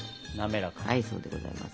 はいそうでございます。